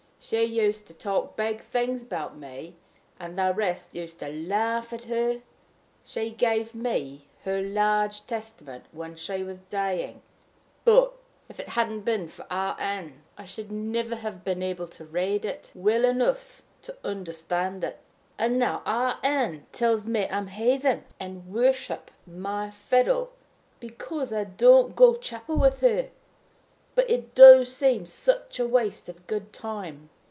She used to talk big things about me, and the rest used to laugh at her. She gave me her large Testament when she was dying, but, if it hadn't been for Ann, I should never have been able to read it well enough to understand it. And now Ann tells me I'm a heathen and worship my fiddle, because I don't go to chapel with her; but it do seem such a waste of good time.